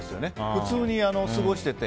普通に過ごしてて。